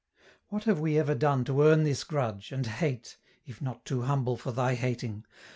"What have we ever done to earn this grudge, And hate (if not too humble for thy hating?)